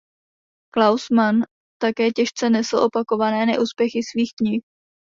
Klaus Mann také těžce nesl opakované neúspěchy svých knih.